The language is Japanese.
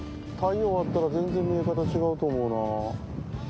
太陽あったら全然見え方違うと思うな。